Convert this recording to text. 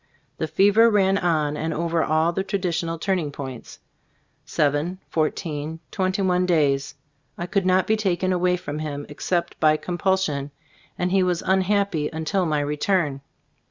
The fever ran on and over all the tradi tional turning points, seven, fourteen, twenty one days. I could not be taken away from him except by compulsion, and he was unhappy until my return.